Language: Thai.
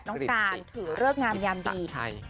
น้องการถือเลิกงามยามดี